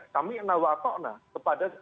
kami enawakokna kepada